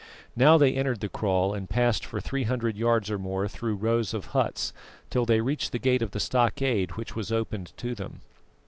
Now they entered the kraal and passed for three hundred yards or more through rows of huts, till they reached the gate of the stockade, which was opened to them.